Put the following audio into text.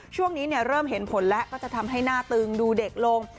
ช่วงนี้เริ่มเห็นผลแล้วก็จะทำให้หน้าตึงดูเด็กลง